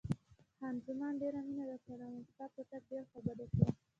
خان زمان: ډېره مینه درسره لرم، ستا په تګ ډېره خوابدې شوم.